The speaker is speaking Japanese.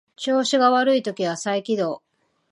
調子が悪い時は再起動